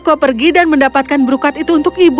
bisakah kau pergi dan mendapatkan brokat itu untuk ibu